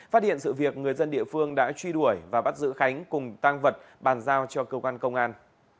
phát hiện sự việc người dân địa phương đã truy đuổi và bắt giữ khánh cùng tăng vật bàn giao cho cơ quan công an